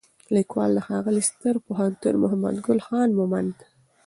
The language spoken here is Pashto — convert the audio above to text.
لیکوال: ښاغلی ستر پښتون محمدګل خان مومند